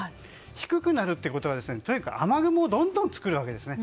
低くなるってことは雨雲をどんどん作るわけです。